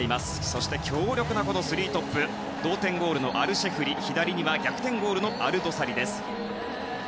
そして、強力な３トップ同点ゴールのアルシェフリと左には逆転ゴールのアルドサリです。